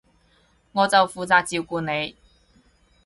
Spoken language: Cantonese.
我就負責照顧你